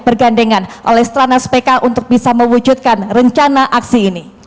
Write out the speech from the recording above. bergandengan oleh strana spk untuk bisa mewujudkan rencana aksi ini